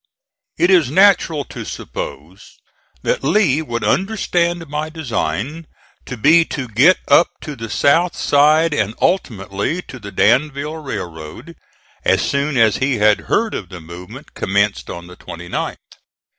It is natural to suppose that Lee would understand my design to be to get up to the South Side and ultimately to the Danville Railroad, as soon as he had heard of the movement commenced on the 29th.